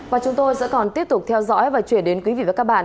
và chúng tôi sẽ còn tiếp tục theo dõi và chuyển đến quý vị và các bạn